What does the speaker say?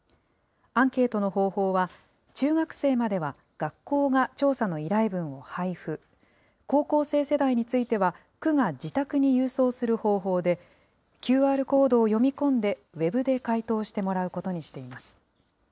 アンケートの方法は、中学生までは学校が調査の依頼文を配付、高校生世代については、区が自宅に郵送する方法で、ＱＲコードを読み込んで、ウェブで回答してもらうことにしています。